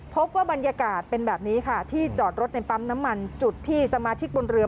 พบว่าบรรยากาศเป็นแบบนี้ค่ะที่จอดรถในปั๊มน้ำมันจุดที่สมาชิกบนเรือ